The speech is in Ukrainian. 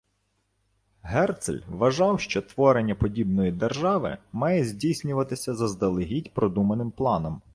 Герцль вважав, що творення подібної держави має здійснюватися за заздалегідь продуманим планом.